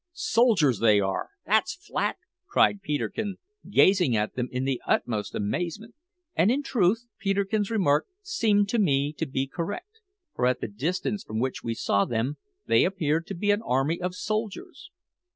"Soldiers they are that's flat!" cried Peterkin, gazing at them in the utmost amazement. And, in truth, Peterkin's remark seemed to me to be correct; for at the distance from which we saw them, they appeared to be an army of soldiers.